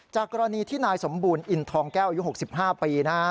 กรณีที่นายสมบูรณ์อินทองแก้วอายุ๖๕ปีนะฮะ